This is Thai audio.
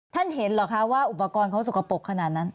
ท่านเห็นเหรอคะว่าอุปกรณ์เขาสกปรกขนาดนั้น